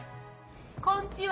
・こんちは。